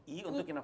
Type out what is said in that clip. i untuk inovatif